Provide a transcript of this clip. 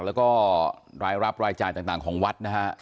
แล้วก็รายรับรายจ่ายต่างของวัดนะฮะ